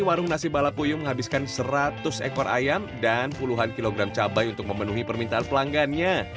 warung nasi balapuyung menghabiskan seratus ekor ayam dan puluhan kilogram cabai untuk memenuhi permintaan pelanggannya